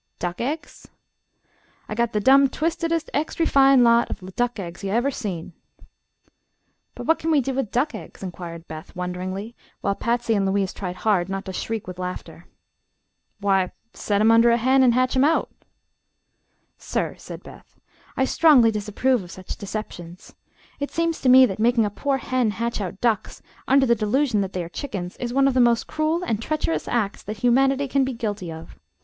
"Duck eggs?" "I got the dum twistedest, extry fine lot o' duck eggs ye ever seen." "But what can we do with duck eggs?" inquired Beth, wonderingly, while Patsy and Louise tried hard not to shriek with laughter. "W'y, set 'em under a hen, an' hatch 'em out." "Sir," said Beth, "I strongly disapprove of such deceptions. It seems to me that making a poor hen hatch out ducks, under the delusion that they are chickens, is one of the most cruel and treacherous acts that humanity can be guilty of.